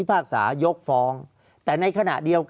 ภารกิจสรรค์ภารกิจสรรค์